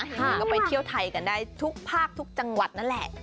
ก็ไปเที่ยวไทยกันได้ทุกภาคทุกจังหวัดนั่นแหละ